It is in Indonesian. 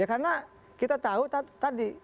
karena kita tahu tadi